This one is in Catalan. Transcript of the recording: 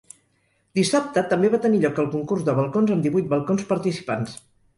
Dissabte també va tenir lloc el concurs de balcons amb divuit balcons participants.